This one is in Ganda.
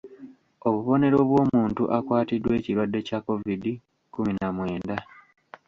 Obubonero bw’omuntu akwatiddwa ekirwadde kya Kovidi kkumi na mwenda.